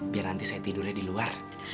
biar nanti saya tidurnya di luar